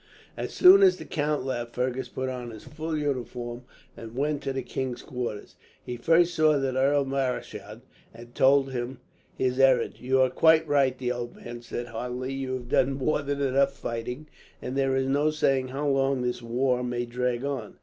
As soon as the count left, Fergus put on his full uniform and went to the king's quarters. He first saw the Earl Marischal, and told him his errand. "You are quite right," the old man said heartily. "You have done more than enough fighting, and there is no saying how long this war may drag on.